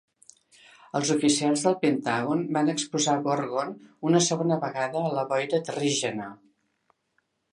Els oficials del Pentàgon van exposar Gorgon una segona vegada a la Boira Terrígena.